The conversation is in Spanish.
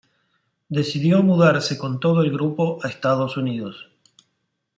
Decidió mudarse con todo el grupo a Estados Unidos.